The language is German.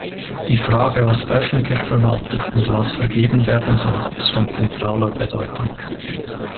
Die Frage, was öffentlich verwaltet und was vergeben werden soll, ist von zentraler Bedeutung.